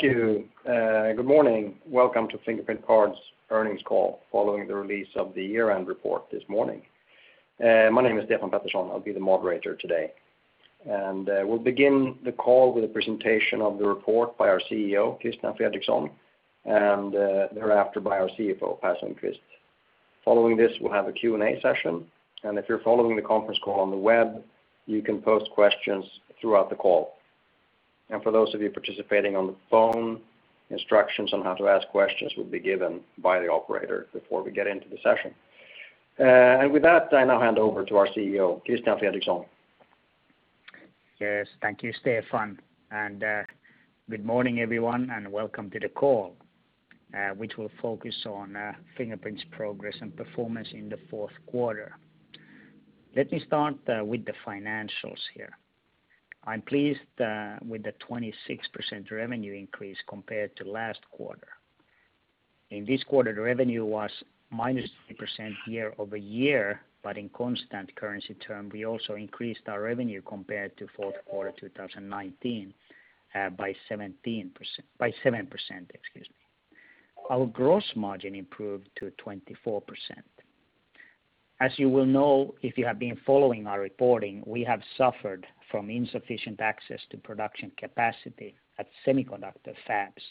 Thank you. Good morning. Welcome to Fingerprint Cards Earnings Call following the release of the year-end report this morning. My name is Stefan Pettersson. I'll be the moderator today. We'll begin the call with a presentation of the report by our CEO, Christian Fredrikson, and thereafter by our CFO, Per Sundkvist. Following this, we'll have a Q&A session, and if you're following the conference call on the web, you can post questions throughout the call. For those of you participating on the phone, instructions on how to ask questions will be given by the operator before we get into the session. With that, I now hand over to our CEO, Christian Fredrikson. Yes. Thank you, Stefan. Good morning, everyone, and welcome to the call, which will focus on Fingerprint's progress and performance in the fourth quarter. Let me start with the financials here. I'm pleased with the 26% revenue increase compared to last quarter. In this quarter, the revenue was -3% year-over-year, but in constant currency term, we also increased our revenue compared to fourth quarter 2019 by 7%. Our gross margin improved to 24%. As you will know, if you have been following our reporting, we have suffered from insufficient access to production capacity at semiconductor fabs.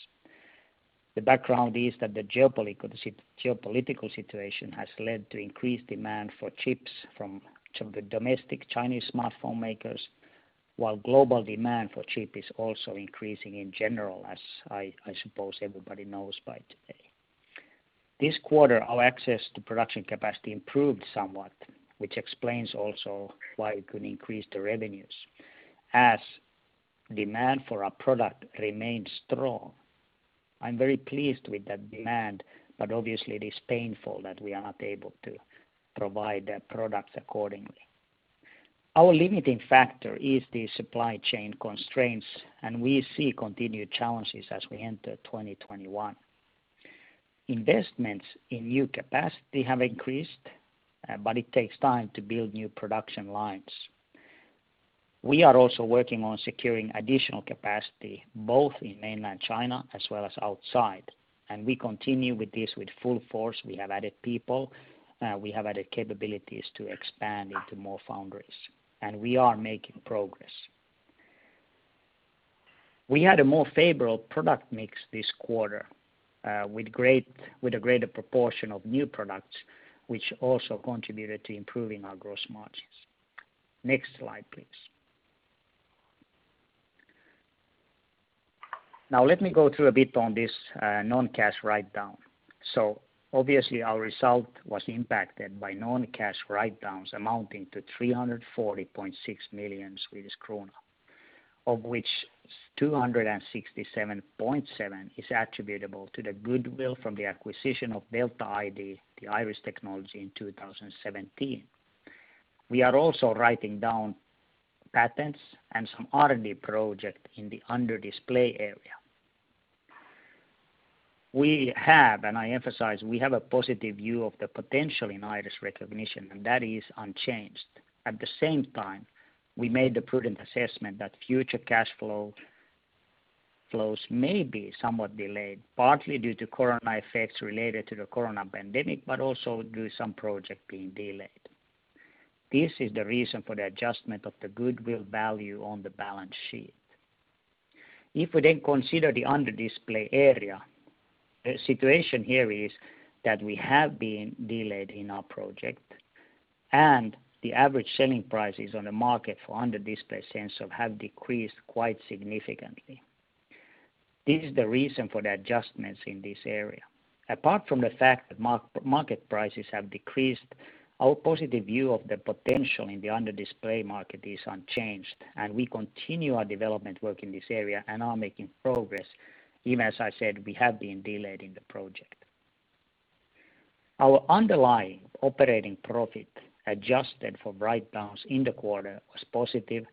The background is that the geopolitical situation has led to increased demand for chips from some of the domestic Chinese smartphone makers, while global demand for chip is also increasing in general as, I suppose, everybody knows by today. This quarter, our access to production capacity improved somewhat, which explains also why we could increase the revenues. As demand for our product remains strong, I'm very pleased with that demand, but obviously, it is painful that we are not able to provide the products accordingly. Our limiting factor is the supply chain constraints, and we see continued challenges as we enter 2021. Investments in new capacity have increased, but it takes time to build new production lines. We are also working on securing additional capacity both in mainland China as well as outside, and we continue with this with full force. We have added people. We have added capabilities to expand into more foundries, and we are making progress. We had a more favorable product mix this quarter with a greater proportion of new products, which also contributed to improving our gross margins. Next slide, please. Now, let me go through a bit on this non-cash write-down. Obviously, our result was impacted by non-cash write-downs amounting to 340.6 million Swedish krona, of which 267.7 million is attributable to the goodwill from the acquisition of Delta ID, the iris technology in 2017. We are also writing down patents and some R&D project in the under display area. We have, and I emphasize, we have a positive view of the potential in iris recognition, and that is unchanged. At the same time, we made the prudent assessment that future cash flows may be somewhat delayed, partly due to corona effects related to the corona pandemic, but also due some project being delayed. This is the reason for the adjustment of the goodwill value on the balance sheet. We then consider the under display area, the situation here is that we have been delayed in our project, and the average selling prices on the market for under display sensor have decreased quite significantly. This is the reason for the adjustments in this area. Apart from the fact that market prices have decreased, our positive view of the potential in the under display market is unchanged, and we continue our development work in this area and are making progress, even as I said, we have been delayed in the project. Our underlying operating profit, adjusted for write-downs in the quarter, was positive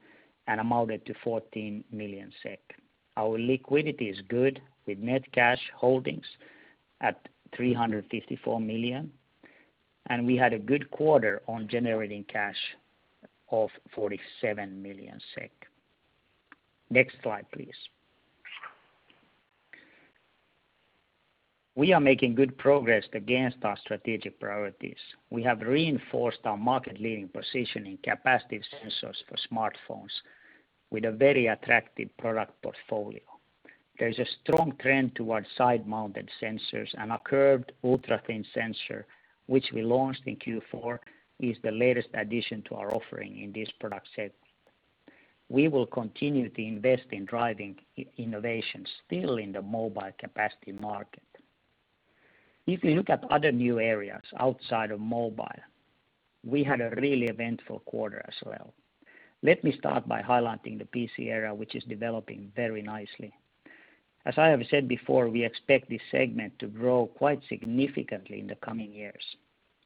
and amounted to 14 million SEK. Our liquidity is good, with net cash holdings at 354 million, and we had a good quarter on generating cash of 47 million SEK. Next slide, please. We are making good progress against our strategic priorities. We have reinforced our market-leading position in capacitive sensors for smartphones with a very attractive product portfolio. There is a strong trend towards side-mounted sensors, and our curved ultra-thin sensor, which we launched in Q4, is the latest addition to our offering in this product set. We will continue to invest in driving innovation still in the mobile capacity market. If you look at other new areas outside of mobile, we had a really eventful quarter as well. Let me start by highlighting the PC era, which is developing very nicely. As I have said before, we expect this segment to grow quite significantly in the coming years.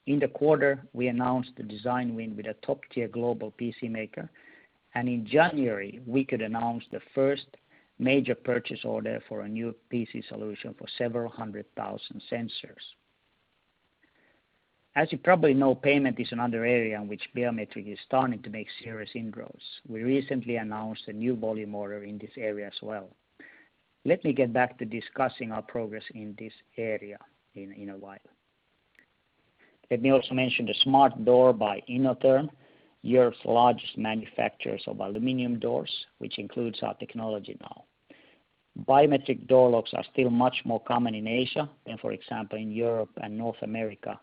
In the quarter, we announced the design win with a top-tier global PC maker, and in January, we could announce the first major purchase order for a new PC solution for several hundred thousand sensors. As you probably know, payment is another area in which biometric is starting to make serious inroads. We recently announced a new volume order in this area as well. Let me get back to discussing our progress in this area in a while. Let me also mention the smart door by Inotherm, Europe's largest manufacturer of aluminum doors, which includes our technology now. Biometric door locks are still much more common in Asia than, for example, in Europe and North America,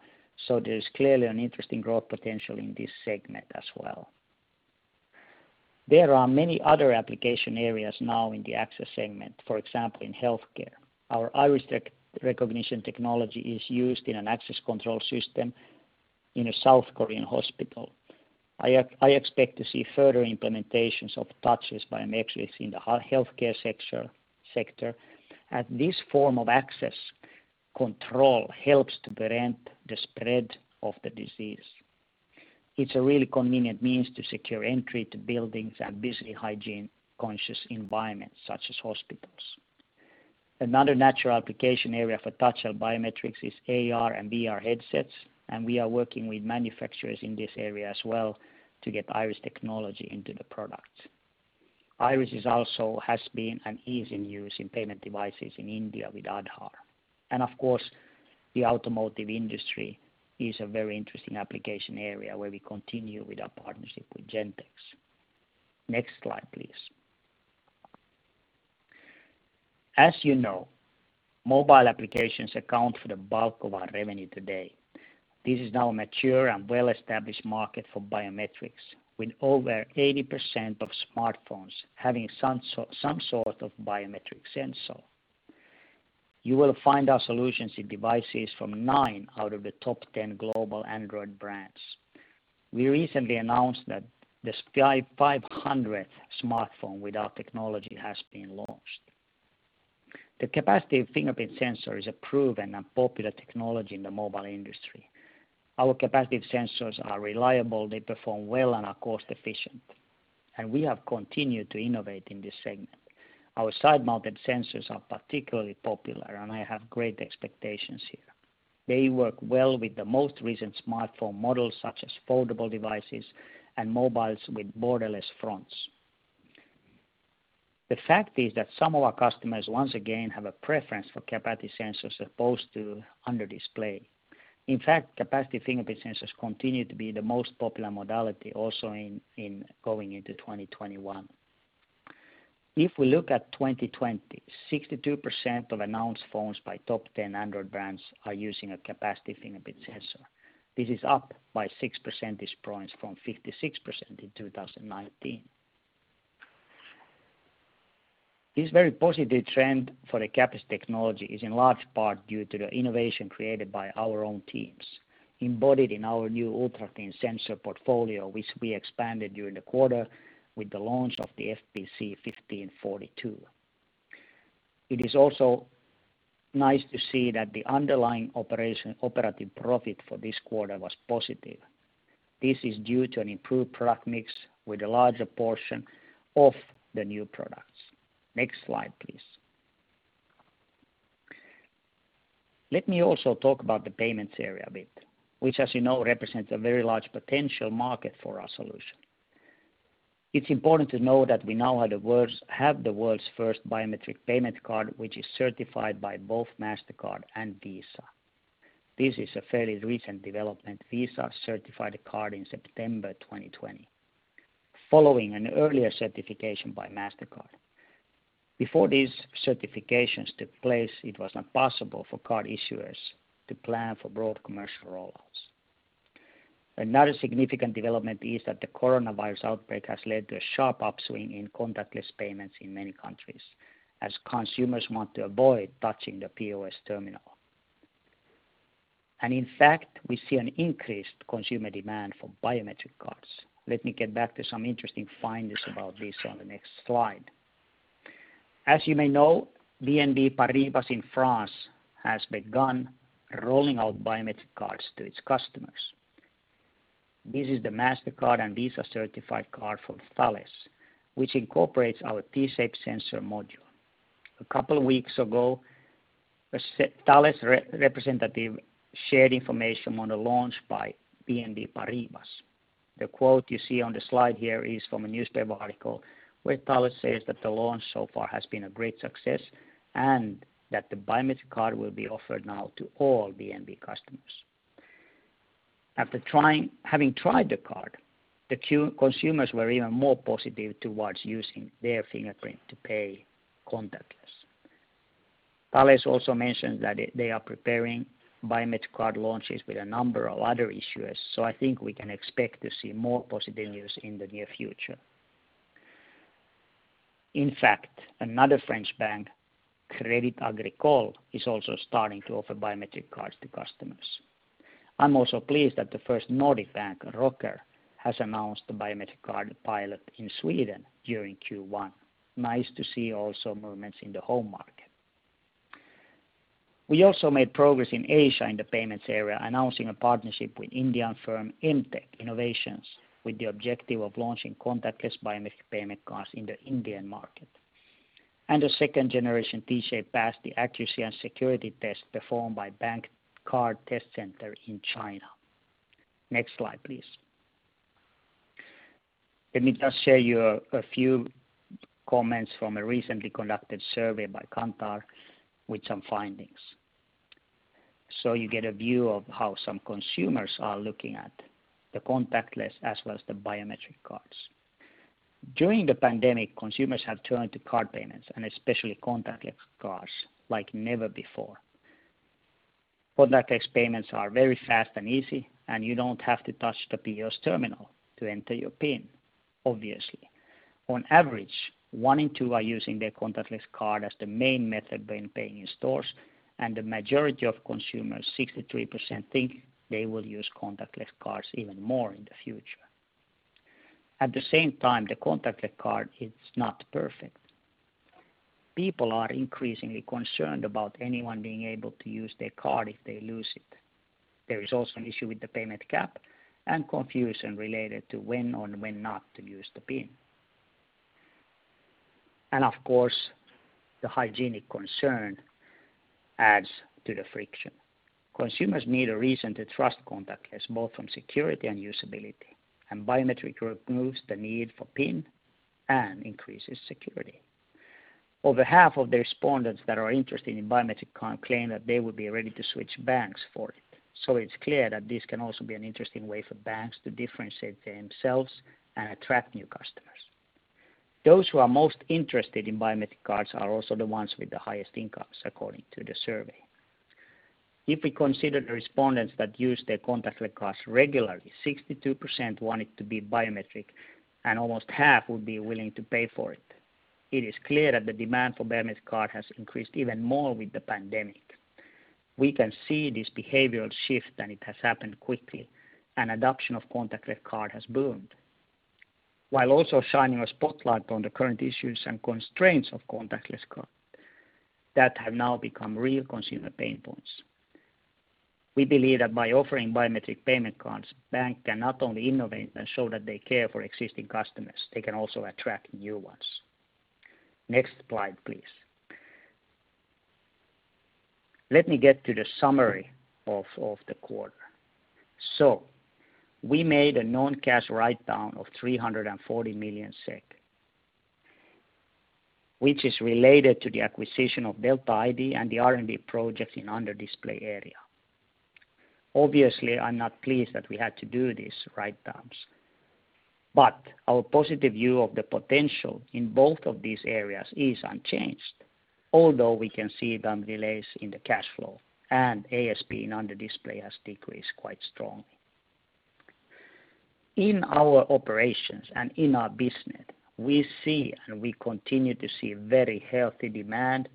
so there's clearly an interesting growth potential in this segment as well. There are many other application areas now in the access segment, for example, in healthcare. Our iris recognition technology is used in an access control system in a South Korean hospital. I expect to see further implementations of touchless biometrics within the healthcare sector, as this form of access control helps to prevent the spread of the disease. It's a really convenient means to secure entry to buildings and busy hygiene-conscious environments, such as hospitals. Another natural application area for touchless biometrics is AR and VR headsets, and we are working with manufacturers in this area as well to get iris technology into the product. Iris also has been an ease in use in payment devices in India with Aadhaar. Of course, the automotive industry is a very interesting application area where we continue with our partnership with Gentex. Next slide, please. As you know, mobile applications account for the bulk of our revenue today. This is now a mature and well-established market for biometrics, with over 80% of smartphones having some sort of biometric sensor. You will find our solutions in devices from nine out of the top 10 global Android brands. We recently announced that the 500th smartphone with our technology has been launched. The capacitive fingerprint sensor is a proven and popular technology in the mobile industry. Our capacitive sensors are reliable, they perform well, and are cost-efficient. We have continued to innovate in this segment. Our side-mounted sensors are particularly popular, and I have great expectations here. They work well with the most recent smartphone models, such as foldable devices and mobiles with borderless fronts. The fact is that some of our customers, once again, have a preference for capacitive sensors as opposed to under display. In fact, capacitive fingerprint sensors continue to be the most popular modality also in going into 2021. If we look at 2020, 62% of announced phones by top 10 Android brands are using a capacitive fingerprint sensor. This is up by 6 percentage points from 56% in 2019. This very positive trend for the capacitive technology is in large part due to the innovation created by our own teams, embodied in our new ultra-thin sensor portfolio, which we expanded during the quarter with the launch of the FPC1542. It is also nice to see that the underlying operative profit for this quarter was positive. This is due to an improved product mix with a larger portion of the new products. Next slide, please. Let me also talk about the payments area a bit, which as you know represents a very large potential market for our solution. It's important to know that we now have the world's first biometric payment card, which is certified by both Mastercard and Visa. This is a fairly recent development. Visa certified the card in September 2020, following an earlier certification by Mastercard. Before these certifications took place, it was not possible for card issuers to plan for broad commercial rollouts. Another significant development is that the coronavirus outbreak has led to a sharp upswing in contactless payments in many countries, as consumers want to avoid touching the POS terminal. In fact, we see an increased consumer demand for biometric cards. Let me get back to some interesting findings about this on the next slide. As you may know, BNP Paribas in France has begun rolling out biometric cards to its customers. This is the Mastercard and Visa-certified card from Thales, which incorporates our T-Shape sensor module. A couple of weeks ago, a Thales representative shared information on a launch by BNP Paribas. The quote you see on the slide here is from a newspaper article where Thales says that the launch so far has been a great success, and that the biometric card will be offered now to all BNP customers. After having tried the card, the consumers were even more positive towards using their fingerprint to pay contactless. Thales also mentioned that they are preparing biometric card launches with a number of other issuers, so I think we can expect to see more positive news in the near future. In fact, another French bank, Crédit Agricole, is also starting to offer biometric cards to customers. I am also pleased that the first Nordic bank, Rocker, has announced a biometric card pilot in Sweden during Q1. Nice to see also movements in the home market. We also made progress in Asia in the payments area, announcing a partnership with Indian firm M-Tech Innovations, with the objective of launching contactless biometric payment cards in the Indian market. The second generation T-Shape passed the accuracy and security test performed by Bank Card Test Center in China. Next slide, please. Let me just share a few comments from a recently conducted survey by Kantar with some findings so you get a view of how some consumers are looking at the contactless as well as the biometric cards. During the pandemic, consumers have turned to card payments and especially contactless cards like never before. Contactless payments are very fast and easy, and you don't have to touch the POS terminal to enter your PIN, obviously. On average, one in two are using their contactless card as the main method when paying in stores, and the majority of consumers, 63%, think they will use contactless cards even more in the future. At the same time, the contactless card is not perfect. People are increasingly concerned about anyone being able to use their card if they lose it. There is also an issue with the payment cap and confusion related to when or when not to use the PIN. Of course, the hygienic concern adds to the friction. Consumers need a reason to trust contactless, both from security and usability, and biometric removes the need for PIN and increases security. Over half of the respondents that are interested in biometric claim that they would be ready to switch banks for it. It's clear that this can also be an interesting way for banks to differentiate themselves and attract new customers. Those who are most interested in biometric cards are also the ones with the highest incomes, according to the survey. If we consider the respondents that use their contactless cards regularly, 62% want it to be biometric, and almost half would be willing to pay for it. It is clear that the demand for biometric card has increased even more with the pandemic. We can see this behavioral shift, and it has happened quickly, and adoption of contactless card has boomed while also shining a spotlight on the current issues and constraints of contactless card that have now become real consumer pain points. We believe that by offering biometric payment cards, bank can not only innovate and show that they care for existing customers, they can also attract new ones. Next slide, please. Let me get to the summary of the quarter. We made a non-cash write-down of 340 million SEK, which is related to the acquisition of Delta ID and the R&D projects in under display area. Obviously, I'm not pleased that we had to do these write-downs, but our positive view of the potential in both of these areas is unchanged, although we can see some delays in the cash flow, and ASP in under display has decreased quite strongly. In our operations and in our business, we see, and we continue to see very healthy demand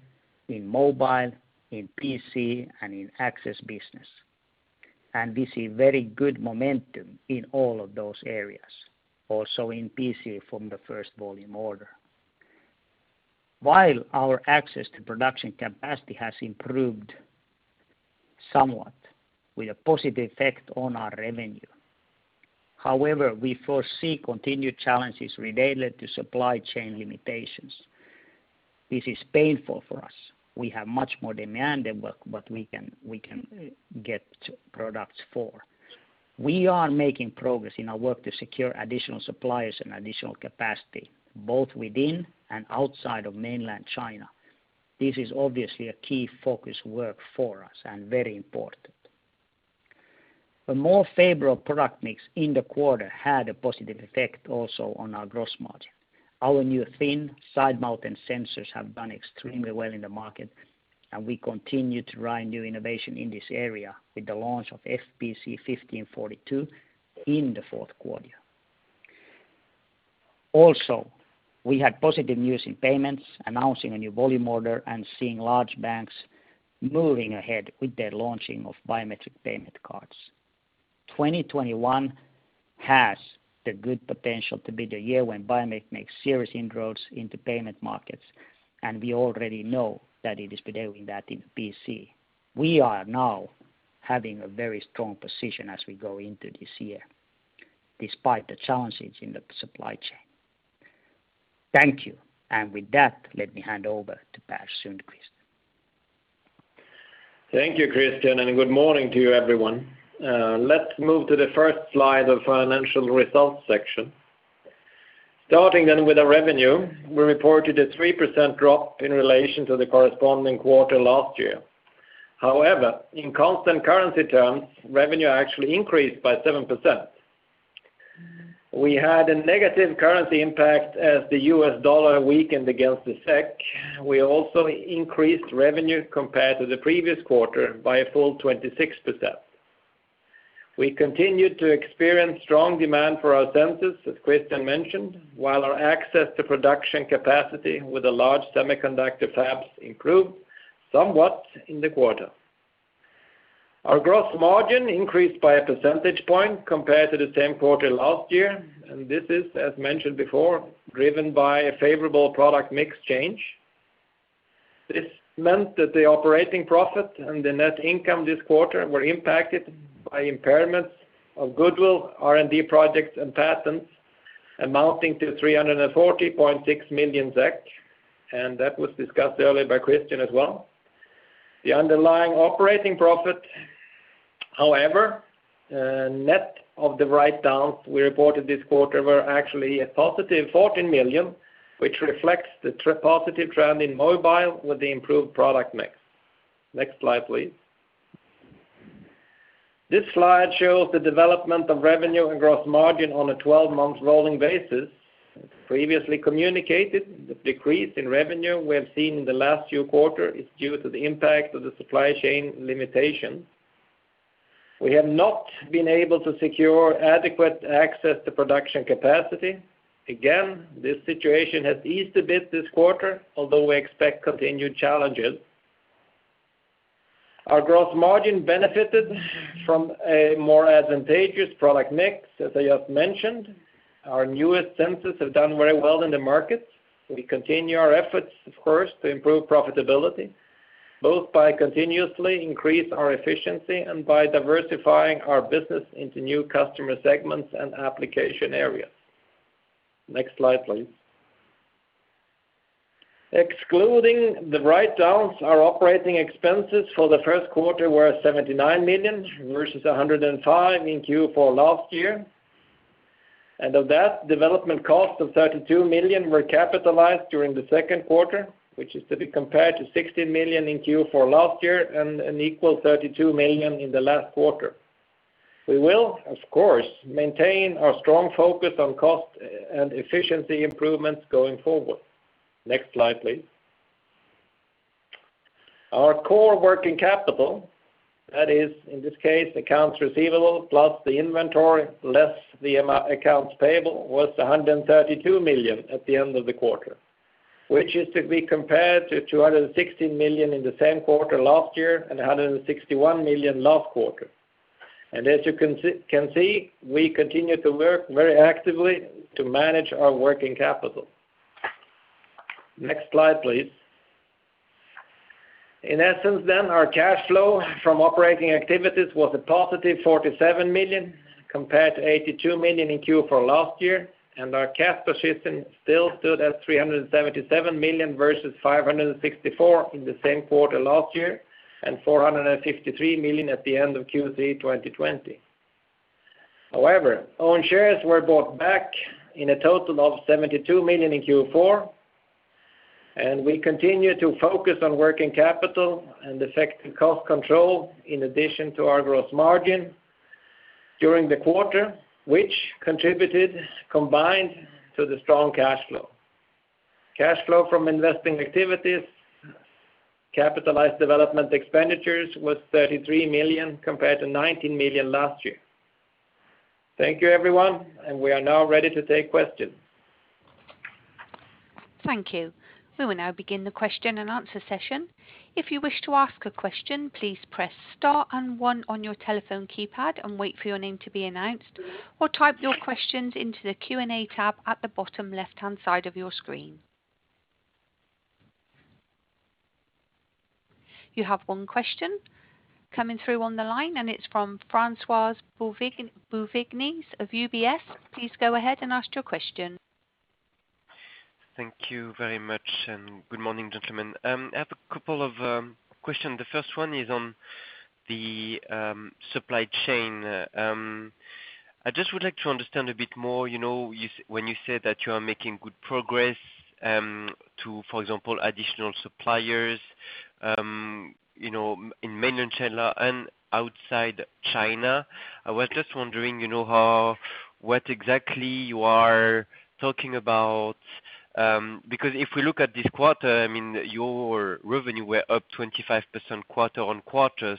in mobile, in PC, and in access business, and we see very good momentum in all of those areas, also in PC from the first volume order. While our access to production capacity has improved somewhat with a positive effect on our revenue, however, we foresee continued challenges related to supply chain limitations. This is painful for us. We have much more demand than what we can get products for. We are making progress in our work to secure additional suppliers and additional capacity, both within and outside of mainland China. This is obviously a key focus work for us and very important. A more favorable product mix in the quarter had a positive effect also on our gross margin. Our new thin side-mounted sensors have done extremely well in the market, and we continue to drive new innovation in this area with the launch of FPC1542 in the fourth quarter. Also, we had positive news in payments, announcing a new volume order and seeing large banks moving ahead with their launching of biometric payment cards. 2021 has the good potential to be the year when biometrics makes serious inroads into payment markets, and we already know that it is doing that in PC. We are now having a very strong position as we go into this year, despite the challenges in the supply chain. Thank you. With that, let me hand over to Per Sundkvist. Thank you, Christian, and good morning to you, everyone. Let's move to the first slide of financial results section. Starting then with our revenue, we reported a 3% drop in relation to the corresponding quarter last year. However, in constant currency terms, revenue actually increased by 7%. We had a negative currency impact as the U.S. dollar weakened against the SEK. We also increased revenue compared to the previous quarter by a full 26%. We continued to experience strong demand for our sensors, as Christian mentioned, while our access to production capacity with the large semiconductor fabs improved somewhat in the quarter. Our gross margin increased by a percentage point compared to the same quarter last year. This is, as mentioned before, driven by a favorable product mix change. This meant that the operating profit and the net income this quarter were impacted by impairments of goodwill, R&D projects, and patents amounting to 340.6 million SEK. That was discussed earlier by Christian as well. The underlying operating profit, however, net of the write-downs we reported this quarter, were actually a +14 million, which reflects the positive trend in mobile with the improved product mix. Next slide, please. This slide shows the development of revenue and gross margin on a 12-month rolling basis. Previously communicated, the decrease in revenue we have seen in the last few quarter is due to the impact of the supply chain limitation. We have not been able to secure adequate access to production capacity. This situation has eased a bit this quarter, although we expect continued challenges. Our gross margin benefited from a more advantageous product mix, as I have mentioned. Our newest sensors have done very well in the market. We continue our efforts, of course, to improve profitability, both by continuously increase our efficiency and by diversifying our business into new customer segments and application areas. Next slide, please. Excluding the write-downs, our operating expenses for the first quarter were 79 million versus 105 million in Q4 last year. Of that, development cost of 32 million were capitalized during the second quarter, which is to be compared to 16 million in Q4 last year and an equal 32 million in the last quarter. We will, of course, maintain our strong focus on cost and efficiency improvements going forward. Next slide, please. Our core working capital, that is, in this case, accounts receivable plus the inventory, less the accounts payable, was 132 million at the end of the quarter, which is to be compared to 216 million in the same quarter last year and 161 million last quarter. As you can see, we continue to work very actively to manage our working capital. Next slide, please. In essence then, our cash flow from operating activities was a +47 million, compared to 82 million in Q4 last year, and our cash position still stood at 377 million versus 564 in the same quarter last year and 453 million at the end of Q3 2020. However, own shares were bought back in a total of 72 million in Q4, and we continue to focus on working capital and effective cost control in addition to our gross margin during the quarter, which contributed combined to the strong cash flow. Cash flow from investing activities, capitalized development expenditures was 33 million compared to 19 million last year. Thank you, everyone. We are now ready to take questions. Thank you. We will now begin the question and answer session. If you wish to ask a question, please press star and one on your telephone keypad and wait for your name to be announced. Or type your questions into the Q&A cap at the bottom left handside of your screen. You have one question coming through on the line and its from François Bouvignies of UBS. Please go ahead and ask your question. Thank you very much, and good morning, gentlemen. I have a couple of question. The first one is on the supply chain. I just would like to understand a bit more, when you say that you are making good progress to, for example, additional suppliers, in mainland China and outside China. I was just wondering what exactly you are talking about, because if we look at this quarter, I mean, your revenue were up 25% quarter-on-quarter.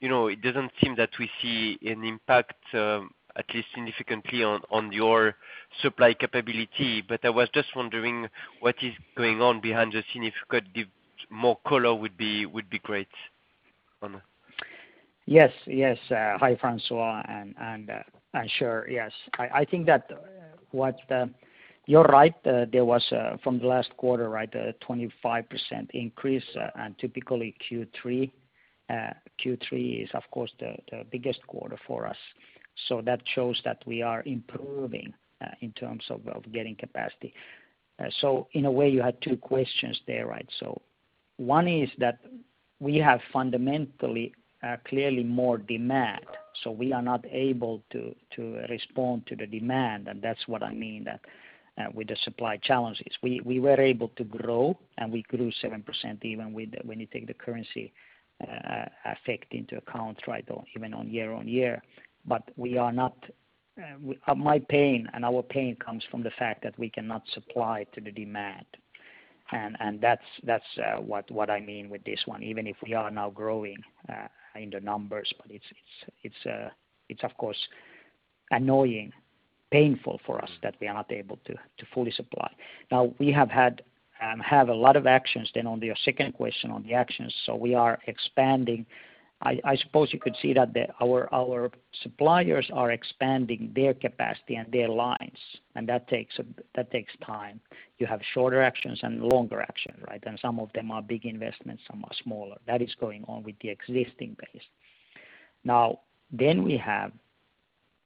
It doesn't seem that we see an impact, at least significantly, on your supply capability, but I was just wondering what is going on behind the scene. If you could give more color would be great. Yes. Hi, François. Sure, yes. I think that you are right. There was from the last quarter, a 25% increase, and typically Q3 is of course the biggest quarter for us, so that shows that we are improving in terms of getting capacity. In a way, you had two questions there, right? One is that we have fundamentally, clearly more demand, so we are not able to respond to the demand, and that's what I mean with the supply challenges. We were able to grow, and we grew 7% even when you take the currency effect into account, even on year-over-year. My pain and our pain comes from the fact that we cannot supply to the demand, and that's what I mean with this one, even if we are now growing in the numbers, it's of course annoying, painful for us that we are not able to fully supply. We have had a lot of actions then on your second question on the actions, we are expanding. I suppose you could see that our suppliers are expanding their capacity and their lines, that takes time. You have shorter actions and longer action, some of them are big investments, some are smaller. That is going on with the existing base. Then we have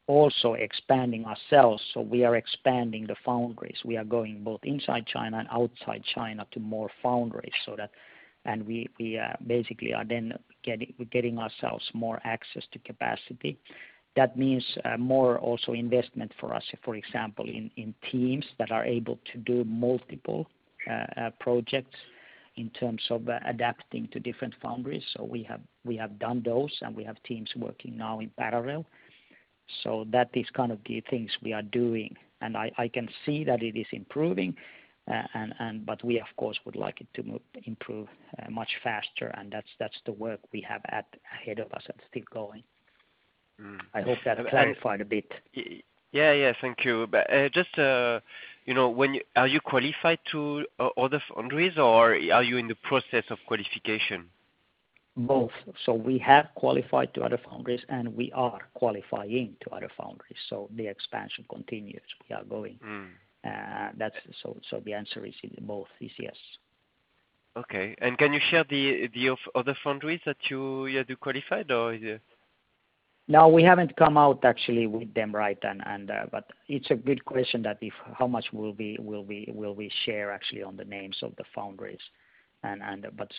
also expanding ourselves. We are expanding the foundries. We are going both inside China and outside China to more foundries. We basically are then getting ourselves more access to capacity. That means more also investment for us, for example, in teams that are able to do multiple projects in terms of adapting to different foundries. We have done those, and we have teams working now in parallel. That is kind of the things we are doing. I can see that it is improving, but we of course, would like it to improve much faster, and that's the work we have ahead of us and still going. I hope that clarified a bit. Yeah. Thank you. Just, are you qualified to other foundries, or are you in the process of qualification? Both. We have qualified to other foundries, and we are qualifying to other foundries. The expansion continues. We are going. The answer is in both is yes. Okay. Can you share the other foundries that you had qualified or is it? We haven't come out actually with them, right? It's a good question that how much will we share actually on the names of the foundries.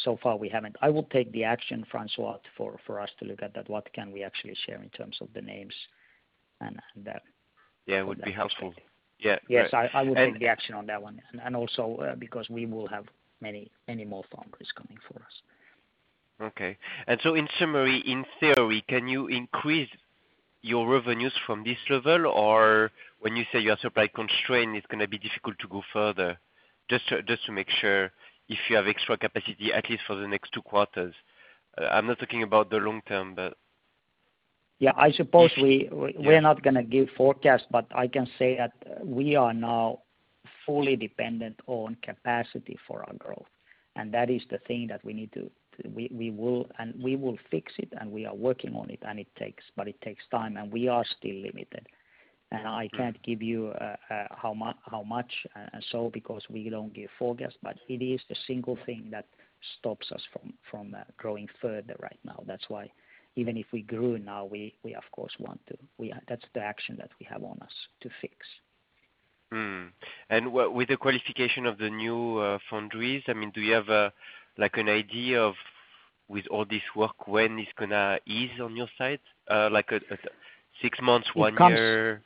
So far, we haven't. I will take the action, François, for us to look at that. What can we actually share in terms of the names and that. Yeah, it would be helpful. Yeah. Yes, I will take the action on that one. Also, because we will have many more foundries coming for us. Okay. In summary, in theory, can you increase your revenues from this level? When you say you are supply constrained, it's going to be difficult to go further. Just to make sure if you have extra capacity, at least for the next two quarters. I'm not talking about the long term. Yeah, I suppose we're not going to give forecast. I can say that we are now fully dependent on capacity for our growth. That is the thing that we will fix it. We are working on it. It takes time, and we are still limited. I can't give you how much, because we don't give forecast. It is the single thing that stops us from growing further right now. That's why even if we grew now, that's the action that we have on us to fix. With the qualification of the new foundries, do you have an idea of, with all this work, when it's going to ease on your side? Like six months, one year?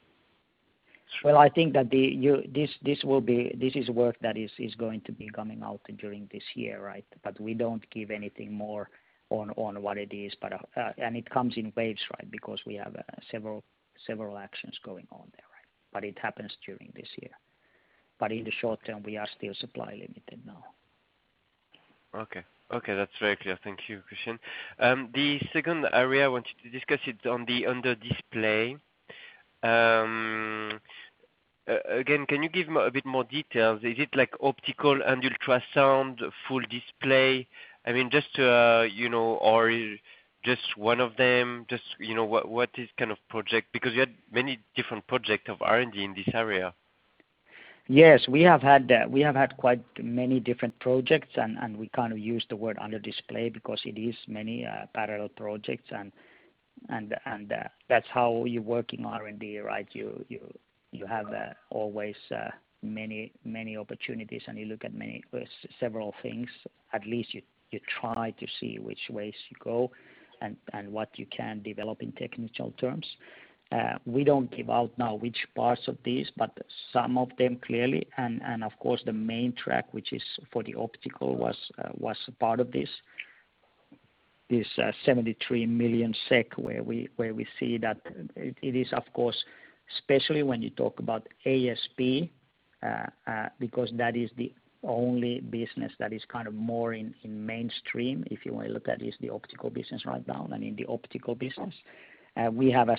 Well, I think that this is work that is going to be coming out during this year, right? We don't give anything more on what it is, and it comes in waves, right? We have several actions going on there. It happens during this year. In the short term, we are still supply limited now. Okay. That's very clear. Thank you, Christian. The second area I wanted to discuss, it's on the under display. Again, can you give a bit more details? Is it like optical and ultrasound, full display? Or just one of them? What is kind of project? You had many different project of R&D in this area. Yes, we have had quite many different projects, and we kind of use the word under display because it is many parallel projects, and that's how you work in R&D, right? You have always many opportunities, and you look at several things. At least you try to see which ways you go and what you can develop in technical terms. We don't give out now which parts of these, but some of them clearly, and of course, the main track, which is for the optical, was part of this 73 million SEK, where we see that it is, of course, especially when you talk about ASP, because that is the only business that is kind of more in mainstream, if you want to look at, is the optical business right now. In the optical business, as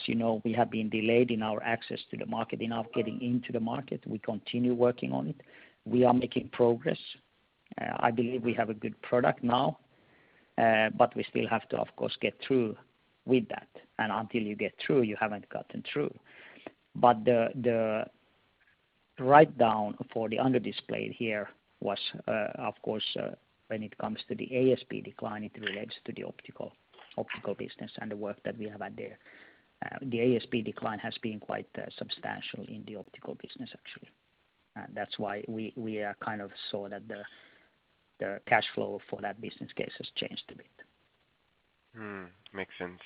you know, we have been delayed in our access to the market, enough getting into the market. We continue working on it. We are making progress. I believe we have a good product now, we still have to, of course, get through with that. Until you get through, you haven't gotten through. The write-down for the under display here was, of course, when it comes to the ASP decline, it relates to the optical business and the work that we have had there. The ASP decline has been quite substantial in the optical business, actually. That's why we kind of saw that the cash flow for that business case has changed a bit. Makes sense.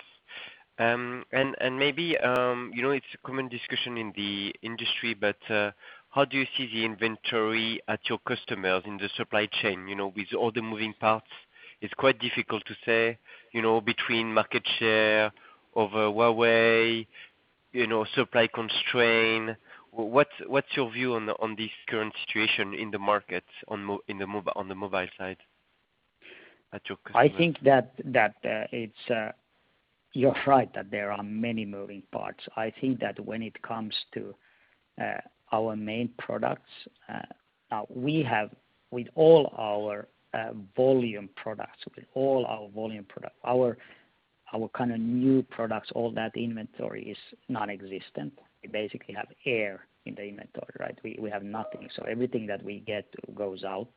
Maybe it's a common discussion in the industry, but how do you see the inventory at your customers in the supply chain? With all the moving parts, it's quite difficult to say, between market share of Huawei, supply constraint. What's your view on this current situation in the market, on the mobile side at your customer? I think that you're right that there are many moving parts. I think that when it comes to our main products, with all our volume products, our kind of new products, all that inventory is nonexistent. We basically have air in the inventory. We have nothing. Everything that we get goes out.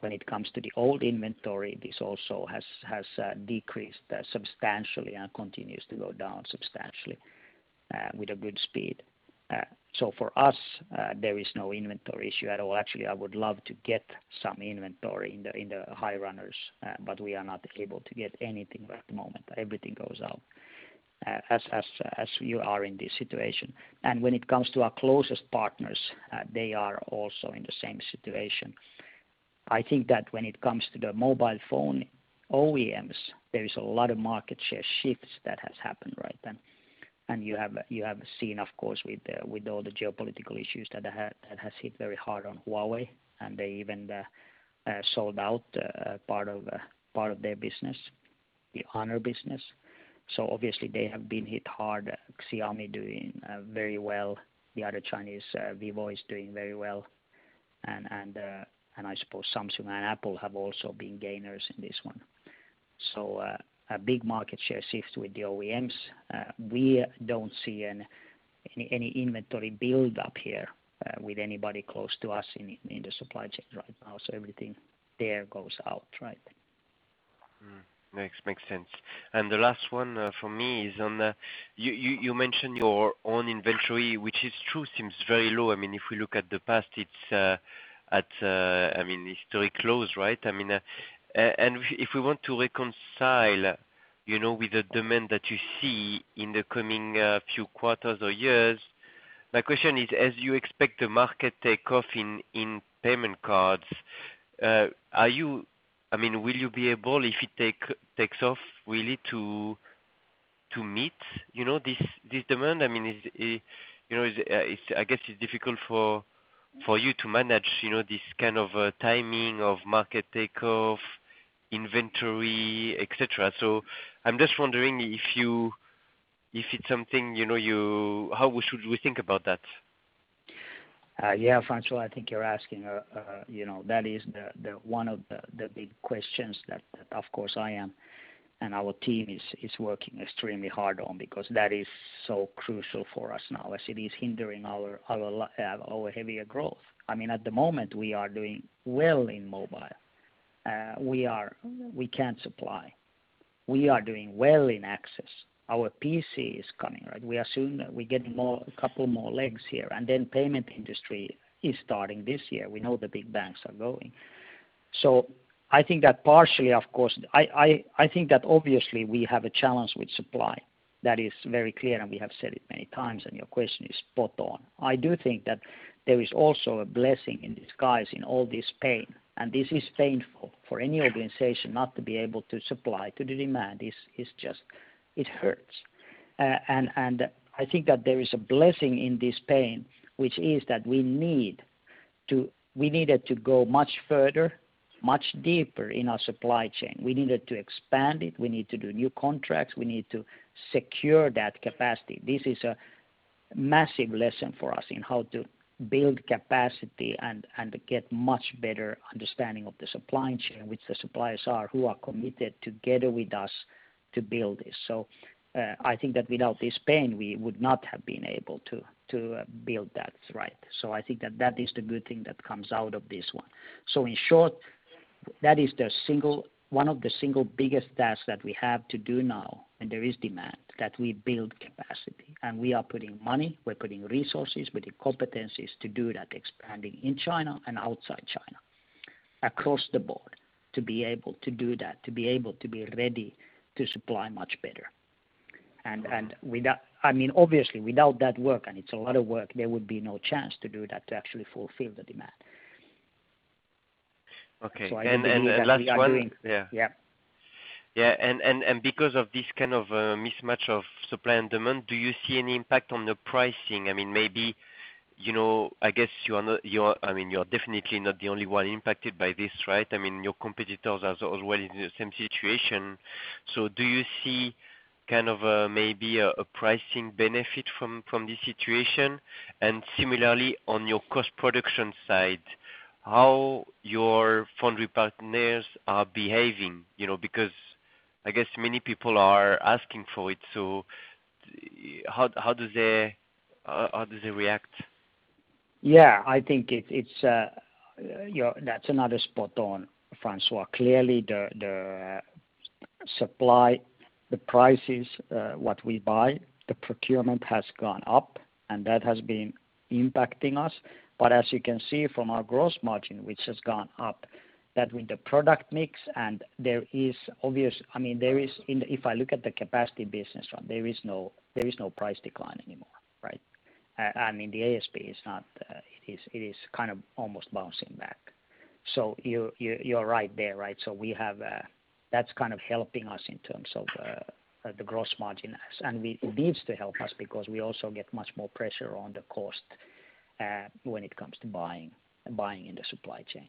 When it comes to the old inventory, this also has decreased substantially and continues to go down substantially with a good speed. For us, there is no inventory issue at all. Actually, I would love to get some inventory in the high runners, but we are not able to get anything right at the moment. Everything goes out as you are in this situation. When it comes to our closest partners, they are also in the same situation. I think that when it comes to the mobile phone OEMs, there is a lot of market share shifts that has happened right then. You have seen, of course, with all the geopolitical issues that has hit very hard on Huawei, and they even sold out part of their business, the Honor business. Obviously they have been hit hard. Xiaomi doing very well. The other Chinese, vivo, is doing very well. I suppose Samsung and Apple have also been gainers in this one. A big market share shift with the OEMs. We don't see any inventory build up here with anybody close to us in the supply chain right now. Everything there goes out trend. The last one from me is on, you mentioned your own inventory, which is true, seems very low. If we look at the past, it's at historic lows, right? If we want to reconcile with the demand that you see in the coming few quarters or years, my question is, as you expect the market take-off in payment cards, will you be able, if it takes off, will it meet this demand? I guess it's difficult for you to manage this kind of timing of market take-off, inventory, et cetera. I'm just wondering if it's something how should we think about that? François, I think you're asking, that is one of the big questions that, of course, I am and our team is working extremely hard on because that is so crucial for us now as it is hindering our heavier growth. At the moment, we are doing well in mobile. We can't supply. We are doing well in access. Our PC is coming. We assume that we get a couple more legs here, and then payment industry is starting this year. We know the big banks are going. I think that partially, of course, I think that obviously we have a challenge with supply that is very clear, and we have said it many times, and your question is spot on. I do think that there is also a blessing in disguise in all this pain. This is painful for any organization not to be able to supply to the demand. It hurts. I think that there is a blessing in this pain, which is that we needed to go much further, much deeper in our supply chain. We needed to expand it. We need to do new contracts. We need to secure that capacity. This is a massive lesson for us in how to build capacity and to get much better understanding of the supply chain, which the suppliers are, who are committed together with us to build this. I think that without this pain, we would not have been able to build that. I think that is the good thing that comes out of this one. In short, that is one of the single biggest tasks that we have to do now. There is demand that we build capacity. We are putting money, we are putting resources, we are putting competencies to do that, expanding in China and outside China, across the board to be able to do that, to be able to be ready to supply much better. Obviously, without that work, and it is a lot of work, there would be no chance to do that, to actually fulfill the demand. Okay. Last one. Yeah. Yeah. Because of this kind of mismatch of supply and demand, do you see any impact on the pricing? Maybe, I guess you're definitely not the only one impacted by this, right? Your competitors are already in the same situation. Do you see kind of maybe a pricing benefit from this situation? Similarly, on your cost production side, how your foundry partners are behaving, because I guess many people are asking for it, so how do they react? Yeah, I think that's another spot on, François. Clearly, the supply, the prices, what we buy, the procurement has gone up, and that has been impacting us. As you can see from our gross margin, which has gone up, that with the product mix. If I look at the capacitive business one, there is no price decline anymore, right. The ASP is kind of almost bouncing back. You're right there. That's kind of helping us in terms of the gross margin, and it needs to help us because we also get much more pressure on the cost when it comes to buying in the supply chain.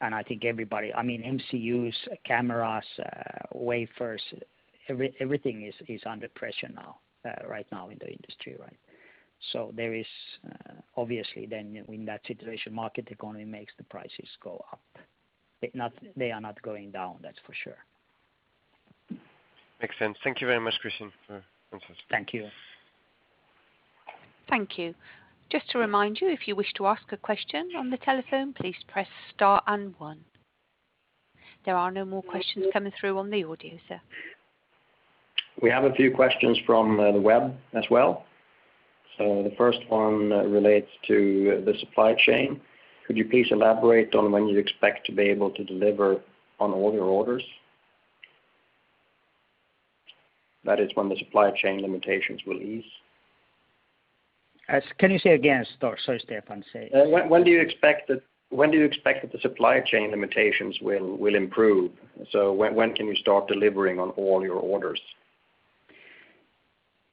I think everybody, MCUs, cameras, wafers, everything is under pressure now, right now in the industry. There is obviously then in that situation, market economy makes the prices go up. They are not going down, that's for sure. Makes sense. Thank you very much, Christian, for the answers. Thank you. Thank you. Just to remind you, if you wish to ask a question on the telephone, please press star and one. There are no more questions coming through on the audio, sir. We have a few questions from the web as well. The first one relates to the supply chain. Could you please elaborate on when you expect to be able to deliver on all your orders? That is when the supply chain limitations will ease. Can you say again, sorry, Stefan, say it? When do you expect that the supply chain limitations will improve? When can you start delivering on all your orders?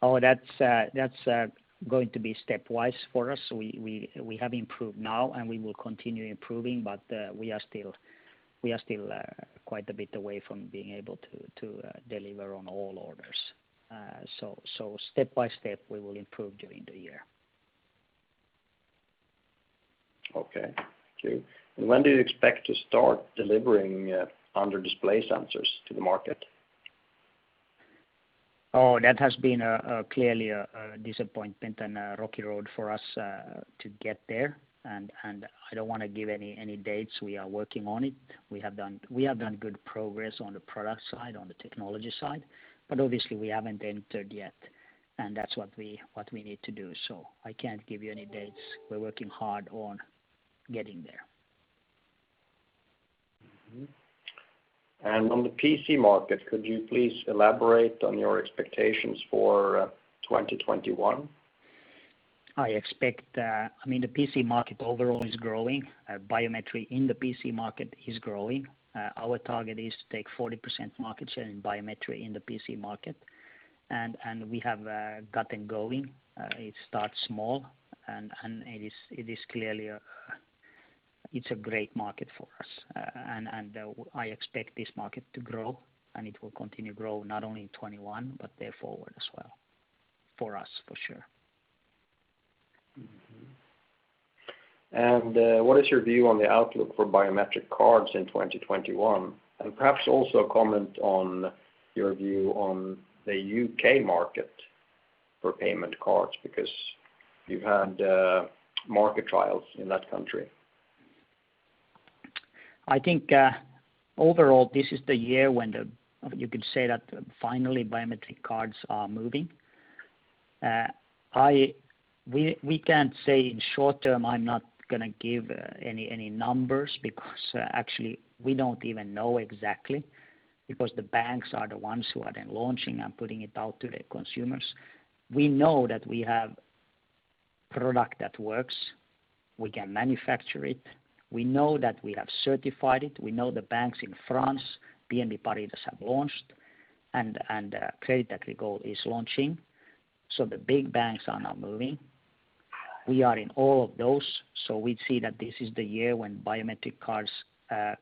That's going to be stepwise for us. We have improved now, and we will continue improving, but we are still quite a bit away from being able to deliver on all orders. Step by step, we will improve during the year. Okay. Thank you. When do you expect to start delivering under display sensors to the market? That has been clearly a disappointment and a rocky road for us to get there. I don't want to give any dates. We are working on it. We have done good progress on the product side, on the technology side. Obviously we haven't entered yet. That's what we need to do. I can't give you any dates. We're working hard on getting there. On the PC market, could you please elaborate on your expectations for 2021? The PC market overall is growing. Biometry in the PC market is growing. Our target is to take 40% market share in biometry in the PC market, and we have gotten going. It starts small, and it's a great market for us. I expect this market to grow, and it will continue to grow not only in 2021, but there forward as well for us, for sure. What is your view on the outlook for biometric cards in 2021? Perhaps also comment on your view on the U.K. market for payment cards, because you've had market trials in that country. I think, overall, this is the year when you could say that finally biometric cards are moving. We can say in short term, I'm not going to give any numbers because actually we don't even know exactly, because the banks are the ones who are then launching and putting it out to the consumers. We know that we have product that works. We can manufacture it. We know that we have certified it. We know the banks in France, BNP Paribas, have launched, and Crédit Agricole is launching. The big banks are now moving. We are in all of those. We'd see that this is the year when biometric cards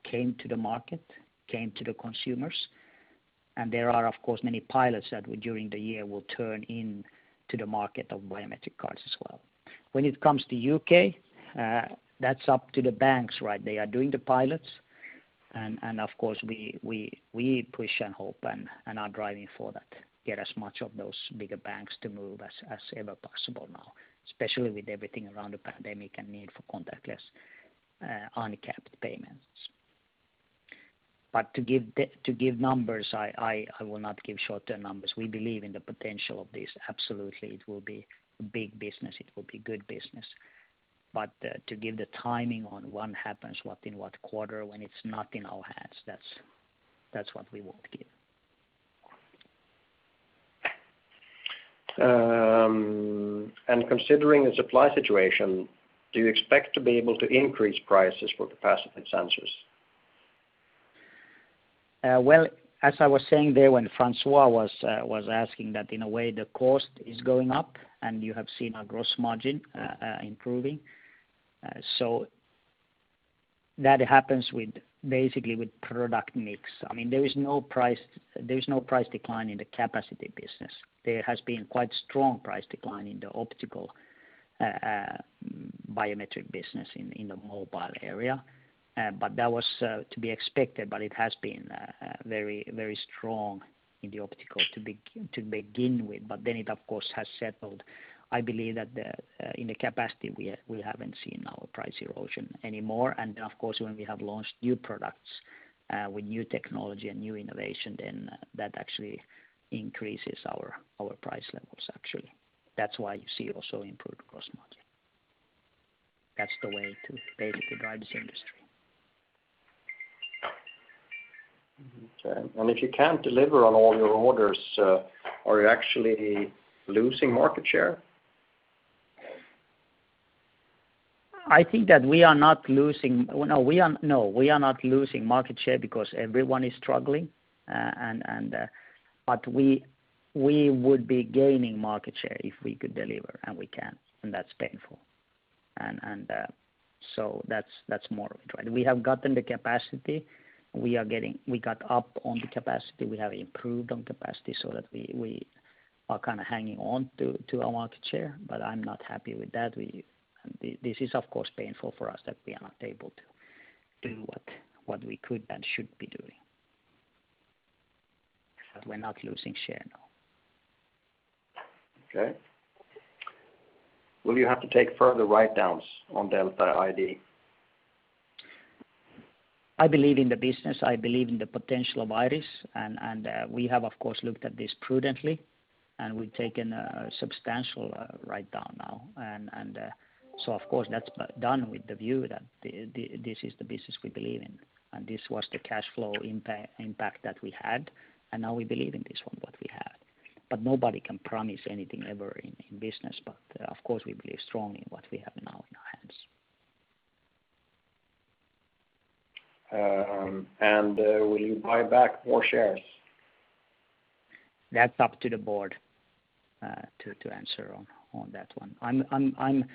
came to the market, came to the consumers. There are, of course, many pilots that during the year will turn into the market of biometric cards as well. When it comes to U.K., that's up to the banks. They are doing the pilots, and of course, we push and hope and are driving for that, get as much of those bigger banks to move as ever possible now, especially with everything around the pandemic and need for contactless, uncapped payments. To give numbers, I will not give short-term numbers. We believe in the potential of this. Absolutely, it will be big business. It will be good business. To give the timing on what happens, what in what quarter, when it's not in our hands, that's what we won't give. Considering the supply situation, do you expect to be able to increase prices for capacitive sensors? As I was saying there when François was asking that in a way the cost is going up and you have seen our gross margin improving. That happens basically with product mix. There is no price decline in the capacitive business. There has been quite strong price decline in the optical biometric business in the mobile area. That was to be expected, but it has been very strong in the optical to begin with. It, of course, has settled. I believe that in the capacitive, we haven't seen our price erosion anymore. Of course, when we have launched new products with new technology and new innovation, then that actually increases our price levels, actually. That's why you see also improved gross margin. That's the way to basically drive this industry. Okay. If you can't deliver on all your orders, are you actually losing market share? I think that we are not losing market share because everyone is struggling. We would be gaining market share if we could deliver, and we can't, and that's painful. That's more of it, right. We have gotten the capacity. We got up on the capacity. We have improved on capacity so that we are kind of hanging on to our market share, but I'm not happy with that. This is, of course, painful for us that we are not able to do what we could and should be doing. We're not losing share now. Okay. Will you have to take further write-downs on Delta ID? I believe in the business. I believe in the potential of iris, and we have, of course, looked at this prudently, and we've taken a substantial write-down now. Of course, that's done with the view that this is the business we believe in and this was the cash flow impact that we had, and now we believe in this one, what we have. Nobody can promise anything ever in business. Of course, we believe strongly in what we have now in our hands. Will you buy back more shares? That's up to the board to answer on that one. I am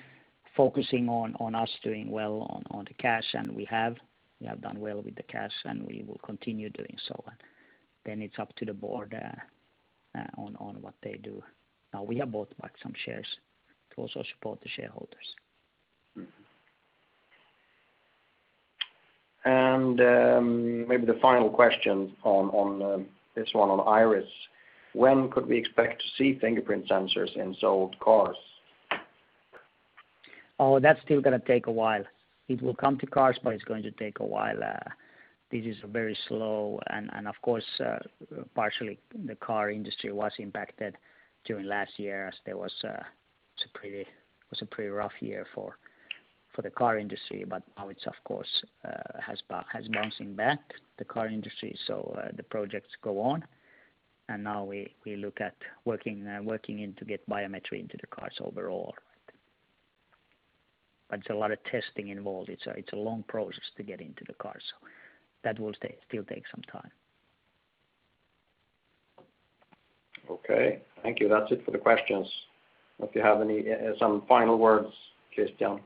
focusing on us doing well on the cash, and we have. We have done well with the cash, and we will continue doing so. It is up to the board on what they do. We have bought back some shares to also support the shareholders. Maybe the final question on this one on iris, when could we expect to see fingerprint sensors in sold cars? Oh, that's still going to take a while. It will come to cars, but it's going to take a while. This is very slow. Of course, partially, the car industry was impacted during last year as it was a pretty rough year for the car industry. Now it, of course, has bouncing back, the car industry, so the projects go on. Now we look at working in to get biometry into the cars overall. There's a lot of testing involved. It's a long process to get into the cars. That will still take some time. Okay. Thank you. That's it for the questions. If you have some final words, Christian.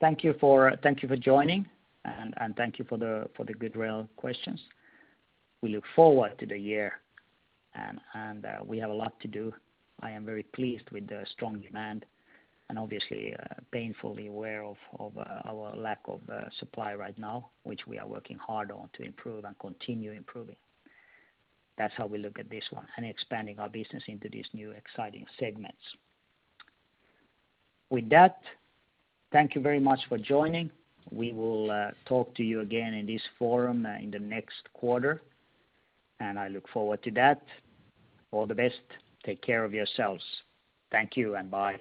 Thank you for joining, and thank you for the good questions. We look forward to the year, and we have a lot to do. I am very pleased with the strong demand and obviously painfully aware of our lack of supply right now, which we are working hard on to improve and continue improving. That's how we look at this one and expanding our business into these new exciting segments. With that, thank you very much for joining. We will talk to you again in this forum in the next quarter, and I look forward to that. All the best. Take care of yourselves. Thank you, and bye.